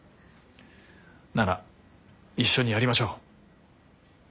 なら一緒にやりましょう。